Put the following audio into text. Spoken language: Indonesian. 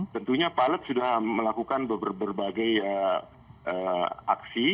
tentunya pilot sudah melakukan berbagai aksi